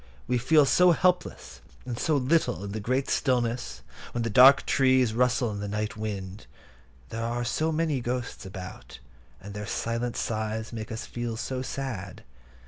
We feel so helpless and so little in the great stillness, when the dark trees rustle in the night wind. There are so many ghosts about, and their silent sighs make us feel so sad.